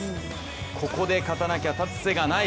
ここで勝たなきゃ立つ瀬がない。